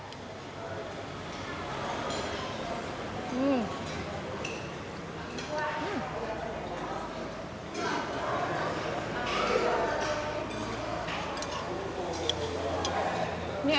sop daging kerbau tapi ini bagian iga